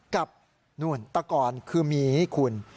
กับตะกอนคือหมีคุณ